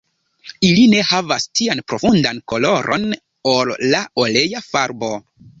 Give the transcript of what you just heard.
Ili ne havas tian profundan koloron ol la olea farbo.